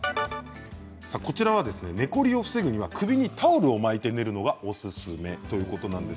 寝コリを防ぐには首にタオルを巻いて寝るのがおすすめということです。